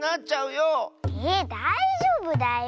えだいじょうぶだよ。